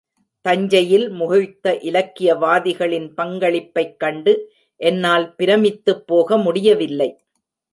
தஞ்சையில் முகிழ்த்த இலக்கியவாதிகளின் பங்களிப்பைக் கண்டு என்னால் பிரமித்துப்போக முடியவில்லை.